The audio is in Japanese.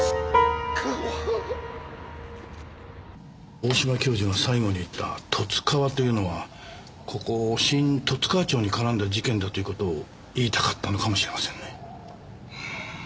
大島教授が最後に言った「十津川」というのはここ新十津川町に絡んだ事件だという事を言いたかったのかもしれませんね。